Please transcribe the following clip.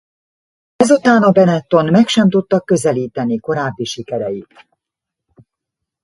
Ezután a Benetton meg sem tudta közelíteni korábbi sikereit.